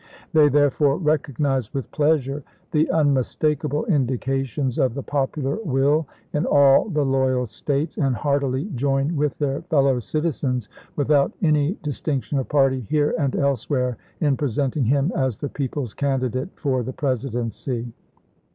They therefore recognize with pleasure the unmistakable indications of the popular will in all the loyal States, and heartily join with their fellow citizens, without any dis tinction of party, here and elsewhere, in presenting him as the people's candidate for the Presidency."